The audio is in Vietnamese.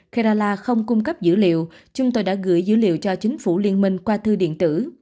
carallah không cung cấp dữ liệu chúng tôi đã gửi dữ liệu cho chính phủ liên minh qua thư điện tử